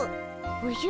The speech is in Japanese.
おじゃ？